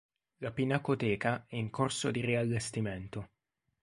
La pinacoteca è in corso di riallestimento.